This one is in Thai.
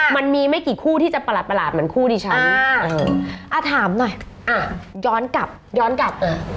มันมีไม่กี่คู่ที่จะประหลาดเหมือนคู่ดิฉันอ่าถามหน่อยอ่ะย้อนกลับย้อนกลับ